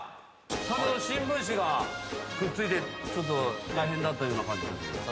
最初新聞紙がくっついてちょっと大変だったような感じしましたけど。